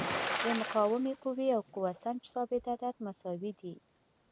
د مقاومې قوې او قوه سنج ثابت عدد مساوي دي.